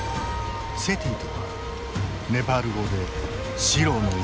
セティとはネパール語で白の意味。